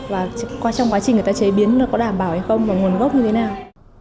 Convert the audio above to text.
và trong quá trình người ta chế biến nó có đảm bảo hay không và nguồn gốc như thế nào